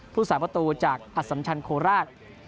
ผู้สาประตูจากอสัมชันโคราช